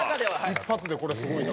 一発でこれすごいな。